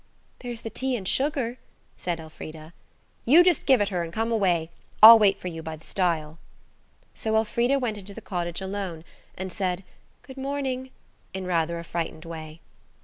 "There's the tea and sugar," said Elfrida. "You just give it her and come away. I'll wait for you by the stile." So Elfrida went into the cottage alone, and said "Good morning" in rather a frightened way.